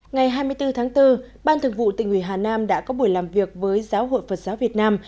ngày hai mươi bốn tháng bốn ban thường vụ tỉnh ủy hà nam đã có buổi làm việc với giáo hội phật giáo việt nam